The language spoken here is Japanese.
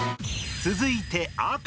続いて赤。